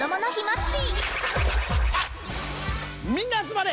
みんな集まれ！